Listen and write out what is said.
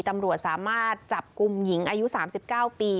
ตำรวจสามารถจับกลุ่มหญิงอายุ๓๙ปี